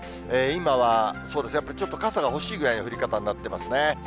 今はそうですね、やっぱりちょっと傘が欲しいぐらいの降り方になってますね。